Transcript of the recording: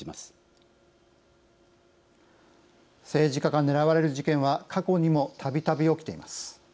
政治家が狙われる事件は過去にもたびたび起きています。